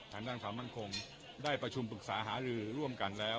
ถ้านั่นขวางมั่นคงได้ประชุมปรึกษาหาธรรมร่วมกันแล้ว